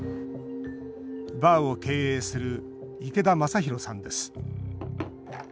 バーを経営する池田昌広さんです。